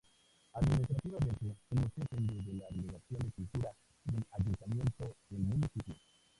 Administrativamente, el Museo depende de la Delegación de Cultura del Ayuntamiento del municipio.